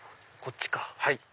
こっちか。